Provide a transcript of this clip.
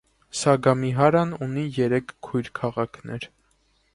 Սագամիհարան ունի երեք քույր քաղաքներ։